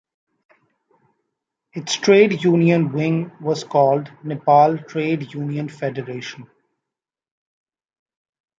Its trade union wing was called Nepal Trade Union Federation.